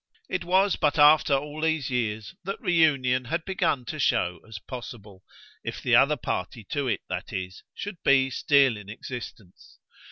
It was but after all these years that reunion had begun to show as possible if the other party to it, that is, should be still in existence.